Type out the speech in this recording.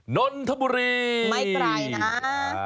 นนธบุรีไม่ไกลนะไม่ไกล